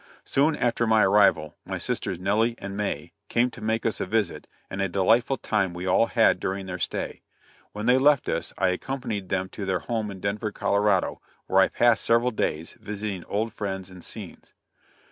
Soon after my arrival, my sisters Nellie and May, came to make us a visit, and a delightful time we all had during their stay. When they left us, I accompanied them to their home in Denver, Colorado, where I passed several days visiting old friends and scenes.